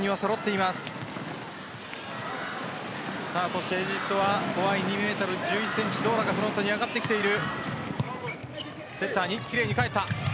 そしてエジプトはドーラがフロントに上がってきている。